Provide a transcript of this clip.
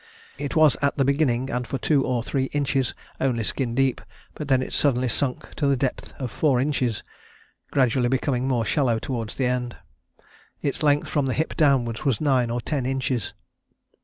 It was at the beginning, and for two or three inches, only skin deep, but then it suddenly sunk to the depth of four inches, gradually becoming more shallow towards the end. Its length from the hip downwards was nine or ten inches.